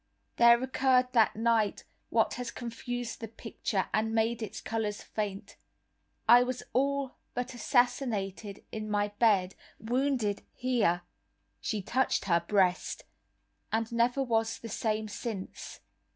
There occurred that night what has confused the picture, and made its colours faint. I was all but assassinated in my bed, wounded here," she touched her breast, "and never was the same since."